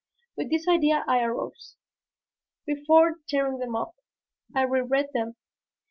With this idea I arose. Before tearing them up, I reread them.